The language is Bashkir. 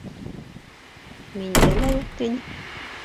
— Миндә лә юҡ, — тине.